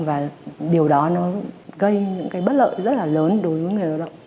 và điều đó nó gây những cái bất lợi rất là lớn đối với người lao động